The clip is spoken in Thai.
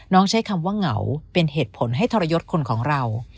ใช้คำว่าเหงาเป็นเหตุผลให้ทรยศคนของเรา